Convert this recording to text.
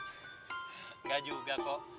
nggak juga kok